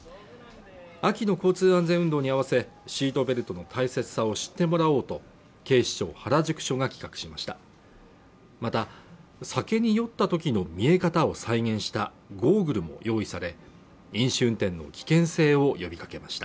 秋の交通安全運動に合わせシートベルトの大切さを知ってもらおうと警視庁原宿署が企画しましたまた酒に酔ったときの見え方を再現したゴーグルも用意され飲酒運転の危険性を呼びかけました